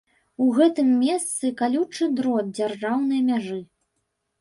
У гэтым месцы калючы дрот дзяржаўнай мяжы.